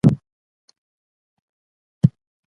د برس سر باید وچ وي.